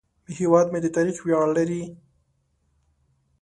هیواد مې د تاریخ ویاړ لري